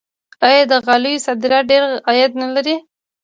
آیا د غالیو صادرات ډیر عاید نلري؟